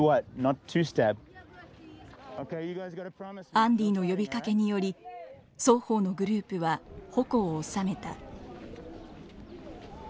アンディの呼びかけにより双方のグループは矛を収めた。